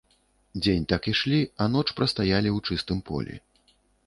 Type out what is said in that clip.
Дзень так ішлі, а ноч прастаялі ў чыстым полі.